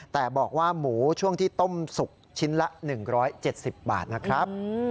แต่บอกว่าหมูช่วงที่ต้มสุกชิ้นละ๑๗๐บาทนะครับ